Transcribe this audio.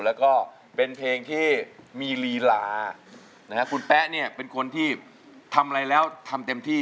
แล้วก็เป็นเพลงที่มีลีลานะฮะคุณแป๊ะเนี่ยเป็นคนที่ทำอะไรแล้วทำเต็มที่